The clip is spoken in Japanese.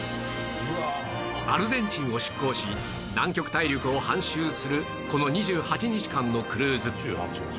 アルゼンチンを出航し南極大陸を半周するこの２８日間のクルーズ